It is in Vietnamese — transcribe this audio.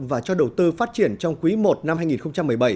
và cho đầu tư phát triển trong quý i năm hai nghìn một mươi bảy